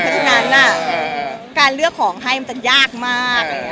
เพราะฉะนั้นการเลือกของให้มันยากมาก